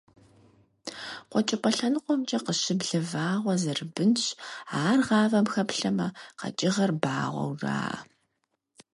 КъуэкӀыпӀэ лъэныкъуэмкӀэ къыщыблэ вагъуэ зэрыбынщ, ар гъавэм хэплъэмэ, къэкӀыгъэр багъуэу жаӀэ.